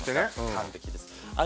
完璧です。